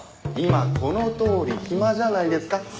今このとおり暇じゃないですか。